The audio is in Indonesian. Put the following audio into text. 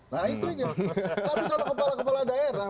nah itu aja tapi kalau kepala kepala daerah